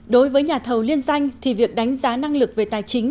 đối với nhà thầu liên danh thì việc đánh giá năng lực về tài chính